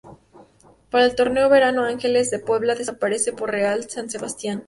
Para el torneo Verano Ángeles de Puebla desaparece por Real San Sebastián.